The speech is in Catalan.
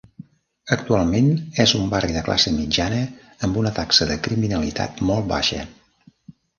Actualment, és un barri de classe mitjana amb una taxa de criminalitat molt baixa.